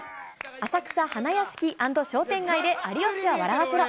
浅草・花やしき＆商店街で、有吉を笑わせろ！